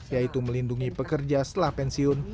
yaitu melindungi pekerja setelah pensiun